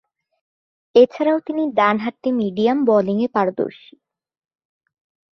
এছাড়াও তিনি ডানহাতি মিডিয়াম বোলিংয়ে পারদর্শী।